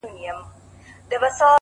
• هم پر شمع، هم پانوس باندي ماښام سو ,